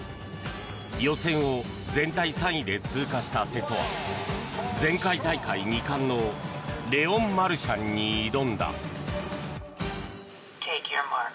予選を全体３位で通過した瀬戸は前回大会２冠のレオン・マルシャンに挑んだ。